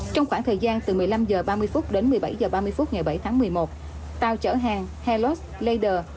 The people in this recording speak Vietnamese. trong khoảng thời gian từ một mươi năm h ba mươi đến một mươi bảy h ba mươi ngày bảy tháng một mươi một tàu chở hàng helos lader